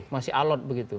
masih alot begitu